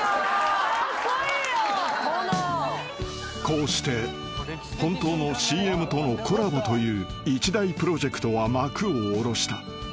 ［こうして本当のＣＭとのコラボという一大プロジェクトは幕を下ろした］